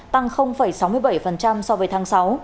tăng sáu mươi bảy so với tháng sáu